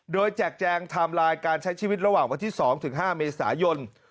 โดยแจกแจงไทม์ไลน์การใช้ชีวิตระหว่างวันที่๒ถึง๕เมษายน